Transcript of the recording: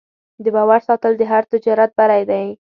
د باور ساتل د هر تجارت بری دی.